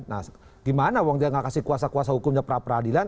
nah gimana wang dia tidak kasih kuasa kuasa hukumnya para peradilan